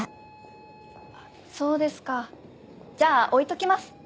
そうですかじゃあ置いときます。